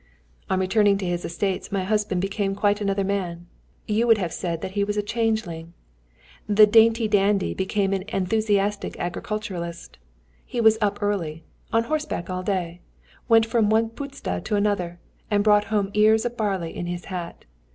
On returning to his estates my husband became quite another man: you would have said that he was a changeling. The dainty dandy became an enthusiastic agriculturist. He was up early, on horseback all day, went from one puszta to another, and brought home ears of barley in his hat.